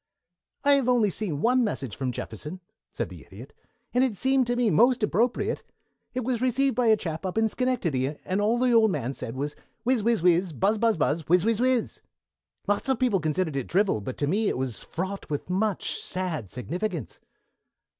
"I've only seen one message from Jefferson," said the Idiot, "and it seemed to me most appropriate. It was received by a chap up in Schenectady, and all the old man said was 'Whizz whizz whizz, buzz buzz buzz, whizz whizz whizz!' Lots of people considered it drivel, but to me it was fraught with much sad significance."